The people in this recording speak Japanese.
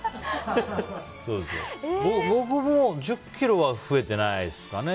僕も１０ｋｇは増えてないですかね。